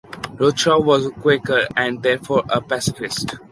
Rochow was a Quaker and, therefore, a pacifist.